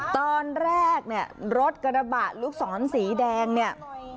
ตอนแรกเนี่ยรถกระบะลูกศรสีแดงเนี่ย